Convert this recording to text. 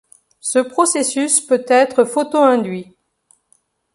Ce processus peut être photoinduit.